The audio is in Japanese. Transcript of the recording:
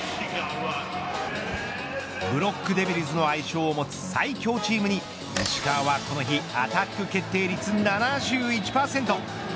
ブロックデビルズの愛称を持つ最強チームに石川はこの日アタック決定率７１％。